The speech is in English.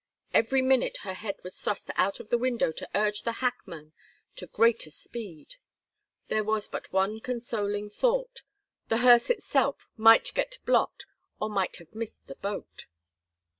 Every minute her head was thrust out of the window to urge the hackman to greater speed. There was but one consoling thought the hearse itself might get blocked or might have missed a boat!